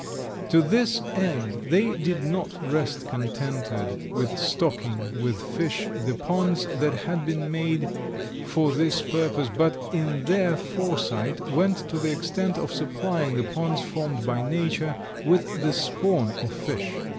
To this end they did not rest contented with stocking with fish the ponds that had been made for this purpose, but in their foresight went to the extent of supplying the ponds formed by nature with the spawn of fish.